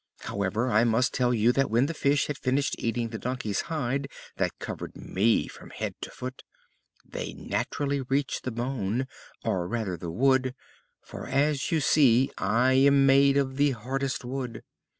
"However, I must tell you that when the fish had finished eating the donkey's hide that covered me from head to foot, they naturally reached the bone, or rather the wood, for, as you see, I am made of the hardest wood.